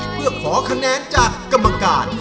เพื่อขอคะแนนจากกรรมการ